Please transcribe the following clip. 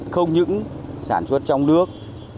không những sản xuất trong nước